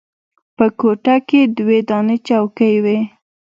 په کوټه کښې دوې دانې چوکۍ وې.